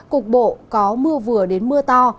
cục bộ có mưa vừa đến mưa to